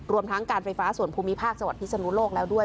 รวมทั้งการไฟฟ้าส่วนภูมิภาคจังหวัดพิศนุโลกแล้วด้วย